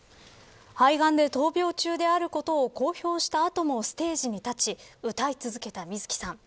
肺がんで闘病中であることを公表した後もステージに立ち歌い続けた水木さん。